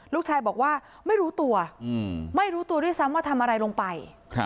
ลูกชายบอกว่าไม่รู้ตัวไม่รู้ตัวด้วยซ้ำว่าทำอะไรลงไป